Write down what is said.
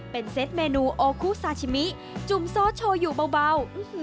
เป็นเซตเมนูโอคุซาชิมิจุ่มซอสโชว์อยู่เบา